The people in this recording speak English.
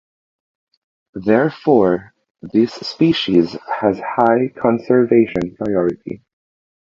Therefore, this species has high conservation priority.